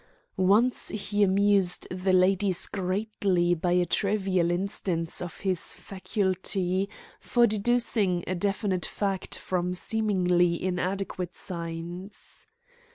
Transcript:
Once he amused the ladies greatly by a trivial instance of his faculty for deducing a definite fact from seemingly inadequate signs.